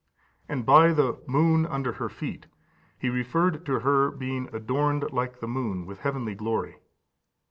And by the "moon under her feet" he referred to her being adorned, like the moon, with heavenly glory.